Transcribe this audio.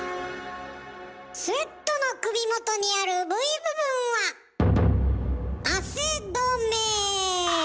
スウェットの首元にあるＶ部分は汗どめ。